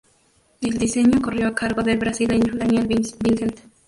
El diseño corrió a cargo del brasileño Daniel Vincent.